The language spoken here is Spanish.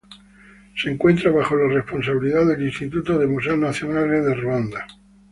Se encuentra bajo la responsabilidad del Instituto de Museos Nacionales de Ruanda.